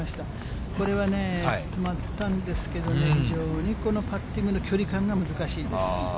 これはね、止まったんですけどね、非常にこのパッティングの距離感が難しいです。